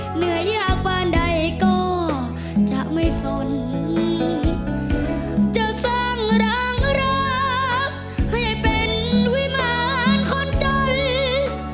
เหนื่อยยากบ้านใดก็จะไม่สนจะสร้างรางรักให้เป็นวิมารคนจน